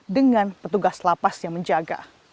dengan petugas lapas yang menjaga